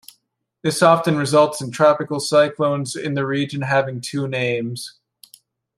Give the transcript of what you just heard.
This often results in tropical cyclones in the region having two names.